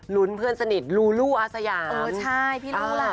เพื่อนสนิทลูลูอาสยาเออใช่พี่รู้ล่ะ